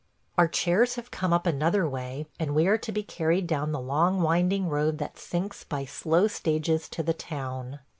... Our chairs have come up another way, and we are to be carried down the long winding road that sinks by slow stages to the town.